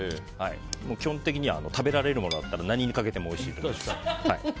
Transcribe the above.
基本的に食べられるものだったら何にかけてもおいしいです。